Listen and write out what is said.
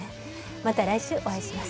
また来週お会いします。